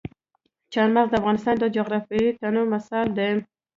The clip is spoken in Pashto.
چار مغز د افغانستان د جغرافیوي تنوع مثال دی.